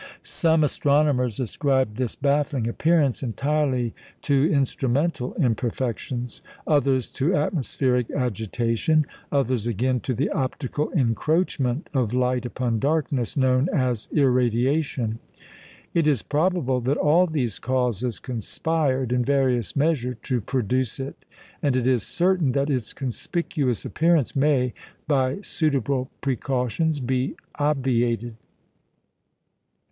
Some astronomers ascribed this baffling appearance entirely to instrumental imperfections; others to atmospheric agitation; others again to the optical encroachment of light upon darkness known as "irradiation." It is probable that all these causes conspired, in various measure, to produce it; and it is certain that its conspicuous appearance may, by suitable precautions, be obviated.